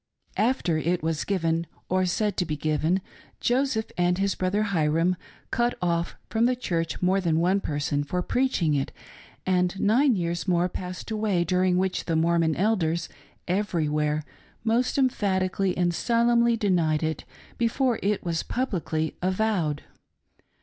After it was given, or said to be given, Joseph and his brother Hyrum cut off from the Church more than one person for preaching it, and nine years more passed away during which the Mormon Elders every where most emphatically and solemnly denied it, before it was publicly avowed.